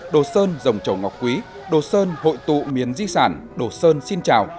đồ sơn dòng trầu ngọc quý đồ sơn hội tụ miền di sản đồ sơn xin chào